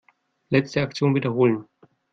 Letzte Aktion wiederholen.